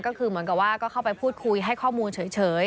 ก็คือเหมือนกับว่าก็เข้าไปพูดคุยให้ข้อมูลเฉย